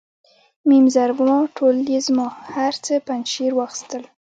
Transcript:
میم زرما ټوله یې زما، هر څه پنجشیر واخیستل.